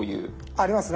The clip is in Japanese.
ありますね。